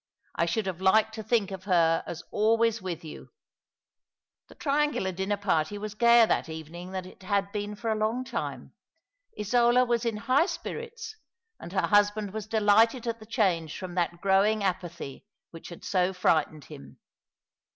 I should have liked to think of her as always with you." ' The triangular dinner party was gayer that evening than it had been for a long time. Isola was in high spirits, and her husband was delighted at the change from that growing apathy which had so frightened him.